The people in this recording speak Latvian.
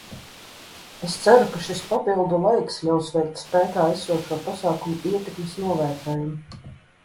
Es ceru, ka šis papildu laiks ļaus veikt spēkā esošo pasākumu ietekmes novērtējumu.